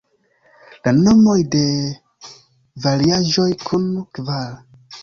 La nomoj de variaĵoj kun kvar.